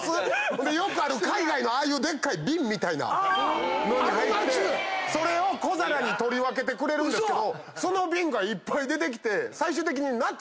ほんでよくある海外のでっかい瓶みたいなのに入ってそれを小皿に取り分けてくれるんですけどその瓶がいっぱい出てきて最終的に。